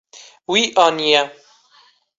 Wî aniye.